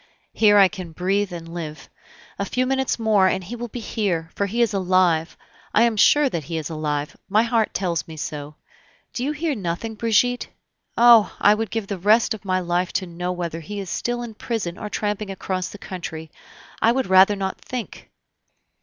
"Here I can breathe and live. A few minutes more, and he will be here, for he is alive, I am sure that he is alive! my heart tells me so. Do you hear nothing, Brigitte? Oh! I would give the rest of my life to know whether he is still in prison or tramping across the country. I would rather not think."